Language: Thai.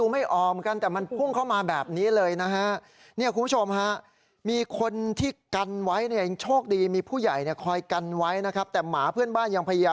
ไม่เอาไม่เอา